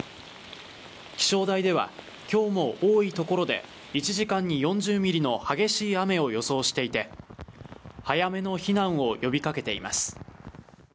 気象台では今日も多い所で１時間に４０ミリの激しい雨を予想していて早めの避難を呼びかけています。